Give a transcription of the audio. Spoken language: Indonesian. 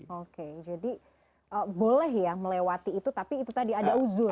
oke jadi boleh ya melewati itu tapi itu tadi ada uzur